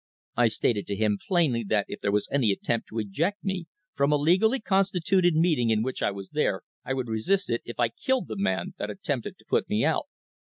I stated to him plainly that if there was any attempt to eject me from a legally constituted meeting in which I was there, I would resist it if I killed the man that attempted to put me out."